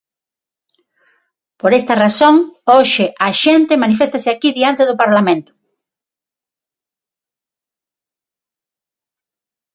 Por esta razón hoxe a xente maniféstase aquí diante do Parlamento.